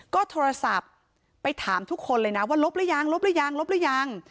ก็โทรศัพท์ไปถามทุกคนเลยนะว่าลบหรือยังลบหรือยังลบหรือยัง